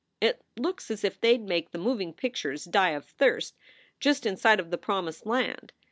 It looks as if they d make the moving pictures die of thirst just in sight of the promised land.